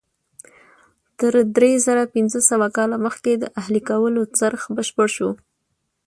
تر درې زره پنځه سوه کاله مخکې د اهلي کولو څرخ بشپړ شو.